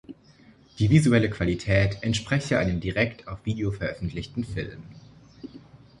Die visuelle Qualität entspreche einem direkt auf Video veröffentlichten Film.